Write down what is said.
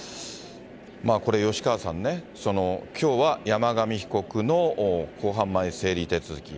これ、吉川さんね、きょうは山上被告の公判前整理手続き。